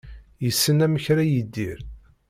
Yessen amek ara yidir.